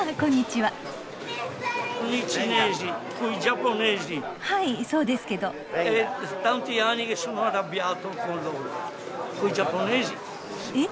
はいそうですけど。えっ！？